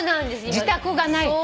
自宅がないと。